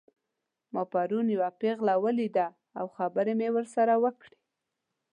ما پرون یوه پیغله ولیدله او خبرې مې ورسره وکړې